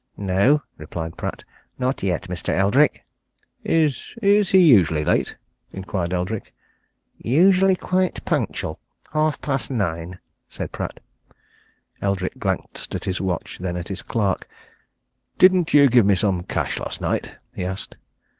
"No," replied Pratt, "Not yet, Mr. Eldrick." "Is is he usually late?" inquired Eldrick. "Usually quite punctual half past nine," said Pratt. Eldrick glanced at his watch; then at his clerk. "Didn't you give me some cash last night?" he asked.